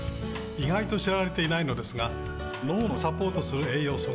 意外と知られてないのですが脳をサポートする栄養素があります